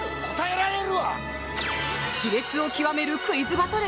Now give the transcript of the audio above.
熾烈を極めるクイズバトル。